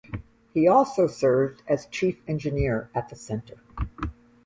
He also served as chief engineer at the center.